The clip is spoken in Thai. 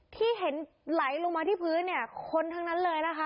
ที่เห็นไหล